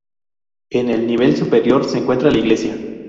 En el nivel superior se encuentra la iglesia.